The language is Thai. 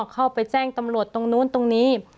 เข้าไปแจ้งตำรวจตรงนู้นตรงนี้